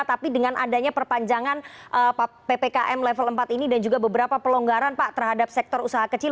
tapi dengan adanya perpanjangan ppkm level empat ini dan juga beberapa pelonggaran pak terhadap sektor usaha kecil